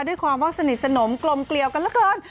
ด้วยความว่าสนิทสนมกลมเกลียวกันเหลือเกิน